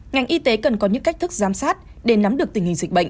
ngành y tế cần có những cách thức giám sát để nắm được tình hình dịch bệnh